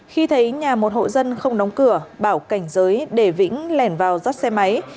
khi thấy nhà một hộ dân không đóng cửa bảo cảnh giới để vĩnh lèn vào dắt xe máy